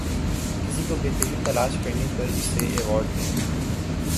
کسی کو بہترین تلاش کرنے پر اسے ایوارڈ دیں